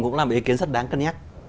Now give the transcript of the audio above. cũng là một ý kiến rất đáng cân nhắc